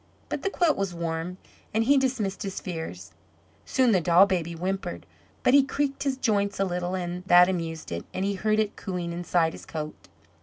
But the quilt was warm, and he dismissed his fears. Soon the doll baby whimpered, but he creaked his joints a little, and that amused it, and he heard it cooing inside his coat.